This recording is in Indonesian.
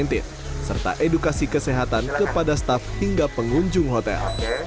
protokol kesehatan covid sembilan belas serta edukasi kesehatan kepada staff hingga pengunjung hotel